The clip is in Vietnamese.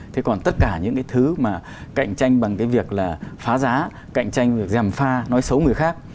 thế còn tất cả những cái thứ mà cạnh tranh bằng cái việc là phá giá cạnh tranh việc dèm pha nói xấu người khác